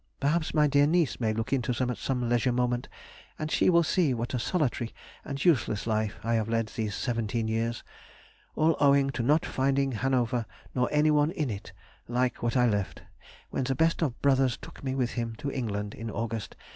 Perhaps my dear niece may look into them at some leisure moment, and she will see what a solitary and useless life I have led these seventeen years, all owing to not finding Hanover, nor anyone in it, like what I left, when the best of brothers took me with him to England in August, 1772!